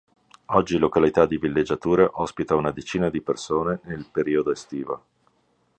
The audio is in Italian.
Oggi località di villeggiatura, ospita una decina di persone nel periodo estivo.